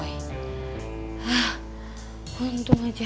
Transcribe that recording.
wah untung aja